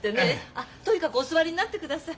あとにかくお座りになってください。